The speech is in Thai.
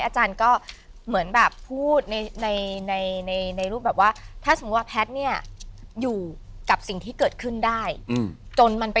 อาจารย์ก็เหมือนแบบพูดในรูปแบบว่า